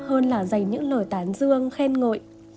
hơn là dành những lời tán dương khen ngội